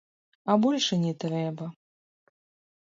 А больш і не трэба.